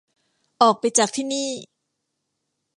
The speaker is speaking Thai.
ออกไปจากที่นี่